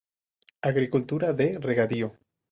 Agricultura de regadío.